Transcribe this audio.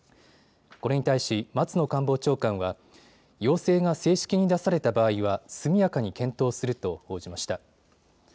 これに対し松野官房長官は要請が正式に出された場合は速やかに検討すると報じました。